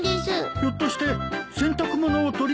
ひょっとして洗濯物を取り込もうとしてたのかい？